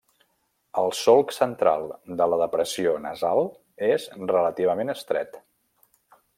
El solc central de la depressió nasal és relativament estret.